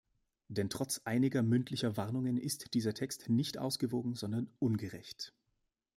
Denn trotz einiger mündlicher Warnungen ist dieser Text nicht ausgewogen, sondern ungerecht.